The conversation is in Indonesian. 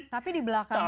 tapi di belakangnya